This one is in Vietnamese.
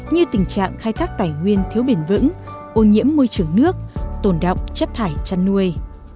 như tình trạng khai thác tài nguyên thiếu bền vững ô nhiễm môi trường nước tồn động chất thải chăn nuôi